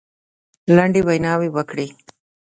لنډې ویناوي وکړې.